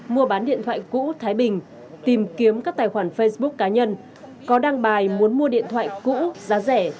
mua bán điện thoại cũ thái bình tìm kiếm các tài khoản facebook cá nhân có đăng bài muốn mua điện thoại cũ giá rẻ